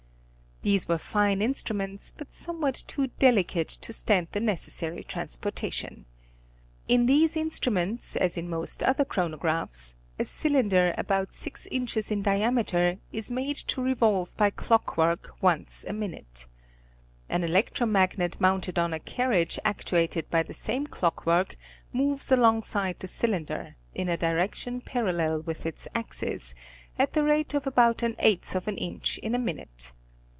These were fine instruments, but somewhat too delicate to stand the necessary transportation. In these imstru ments as in most other chronographs, a cylinder about six inches in diameter is made to revolve by clock work once in a minute. An electro magnet mounted on a carriage actuated by the same clock work moves alongside the cylinder, in a direction parallel with its axis, at the rate of about an eighth of an inch in a minute.